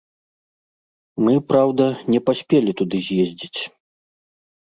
Мы, праўда, не паспелі туды з'ездзіць.